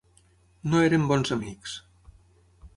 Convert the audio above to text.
No érem bons amics.